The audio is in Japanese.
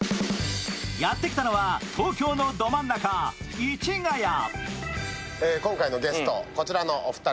やってきたのは、東京のど真ん中、市ヶ谷。